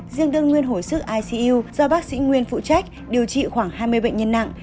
riêng đương nguyên hồi sức icu do bác sĩ nguyên phụ trách điều trị khoảng hai mươi bệnh nhân nặng